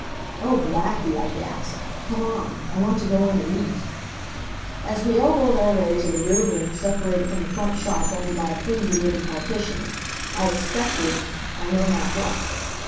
"Oh, Blackie!" I gasped. "Come on. I want to go in and eat." As we elbowed our way to the rear room separated from the front shop only by a flimsy wooden partition, I expected I know not what.